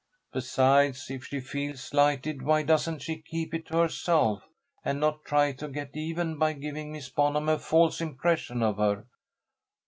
Besides, if she feels slighted, why doesn't she keep it to herself, and not try to get even by giving Miss Bonham a false impression of her?